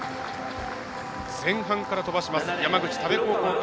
前半から飛ばします。